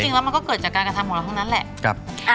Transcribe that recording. เพราะจริงแล้วมันก็เกิดจากการกระทำหัวเราทั้งนั้นแหละ